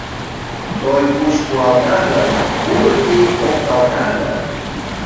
Той пуч пуалта гын, ур пий опталта гын